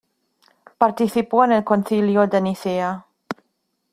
Participó en el Concilio de Nicea.